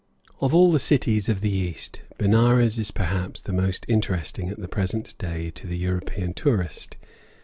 Of all the cities of the East, Benares is perhaps the most interesting at the present day to the European tourist.